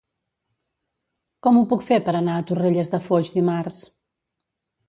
Com ho puc fer per anar a Torrelles de Foix dimarts?